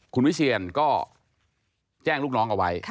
คุณวิเชียนก็แจ้งลูกน้องเอาไว้